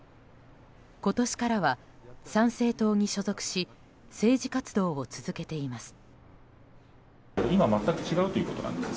今年からは参政党に所属し政治活動を続けています。